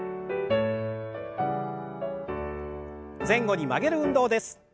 前後に曲げる運動です。